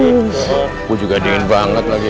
aku juga diren banget lagi